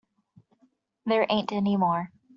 There ain't any more.